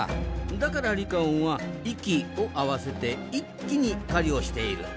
だからリカオンは「息」を合わせて「一気」に狩りをしているというわけですな。